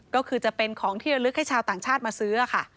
ก็คือจะเป็นของที่ระลึกให้ชาวต่างชาติมาซื้อค่ะ